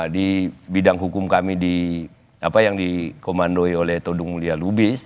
di bidang hukum kami yang dikomandoi oleh todung mulia lubis